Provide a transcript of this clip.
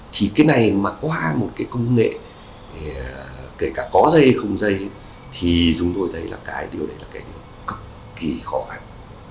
thì cái này mà qua một cái công nghệ kể cả có dây không dây thì chúng tôi thấy là cái điều đấy là cái điều cực kỳ khó khăn